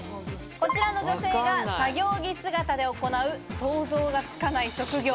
こちらの女性が作業着姿で行う、想像がつかない職業。